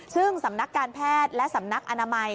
ซึ่งสำนักการแพทย์และสำนักอนามัย